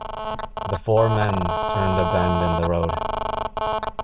The four men turned a bend in the road.